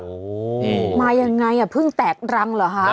โอ้โหมายังไงอ่ะเพิ่งแตกรังเหรอคะ